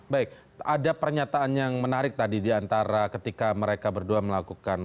baik ada pernyataan yang menarik tadi diantara ketika mereka berdua melakukan